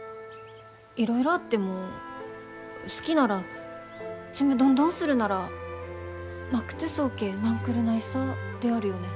いろいろあっても好きならちむどんどんするならまくとぅそーけーなんくるないさであるよね？